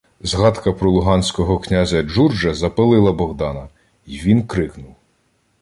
Згадка про луганського князя Джурджа запалила Богдана, й він крикнув: